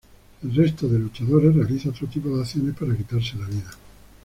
El resto de luchadores realiza otro tipo de acciones para quitarse la vida.